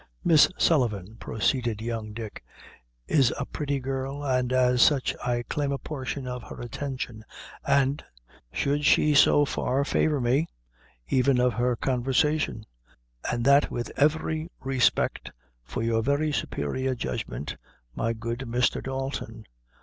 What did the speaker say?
"Miss Sullivan," proceeded young Dick, "is a pretty girl, and as such I claim a portion of her attention, and should she so far favor me even of her conversation; and that with every respect for your very superior judgment, my good Mr. Dalton."